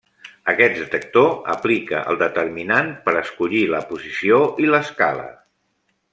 Aquest detector aplica el determinant per escollir la posició i l’escala.